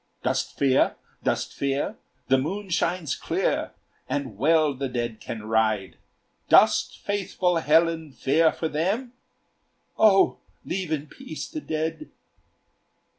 "Dost fear? dost fear? the moon shines clear And well the dead can ride; Dost, faithful Helen, fear for them?" "O leave in peace the dead!"